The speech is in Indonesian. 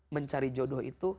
mencari jodoh itu